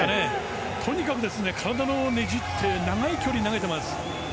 とにかく体をねじって長い距離を投げています。